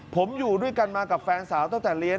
ผมอยู่ด้วยกันมากับแฟนสาวตั้งแต่เรียน